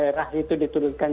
bukan merah itu diturutkan